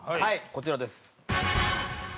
こちらです。